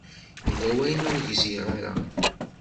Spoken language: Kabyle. Yella wayen ur gziɣ ara.